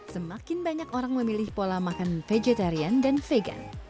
semakin banyak orang memilih pola makan vegetarian dan vegan